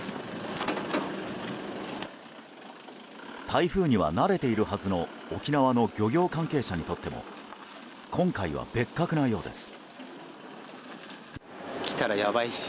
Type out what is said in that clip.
台風には慣れているはずの沖縄の漁業関係者にとっても今回は別格なようです。